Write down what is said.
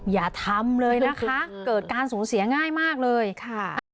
อย่าทำเลยนะคะเกิดการสูญเสียง่ายมากเลยค่ะ